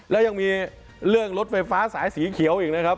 แล้วยังมีเรื่องรถไฟฟ้าสายสีเขียวอีกนะครับ